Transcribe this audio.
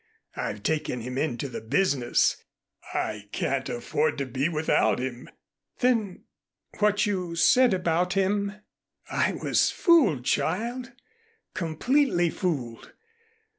I've taken him into the business. I can't afford to be without him." "Then what you said about him " "I was fooled, child, completely fooled.